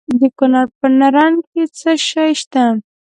د کونړ په نرنګ کې څه شی شته؟